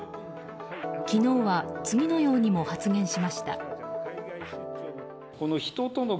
昨日は、次のようにも発言しました。